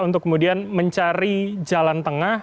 untuk kemudian mencari jalan tengah